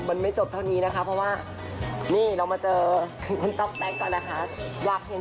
และนางก็มีเสด็จการแต่ว่าถ้านางได้แต่งแดคจริงเนี่ยน่าจะสะพึงอ่ะ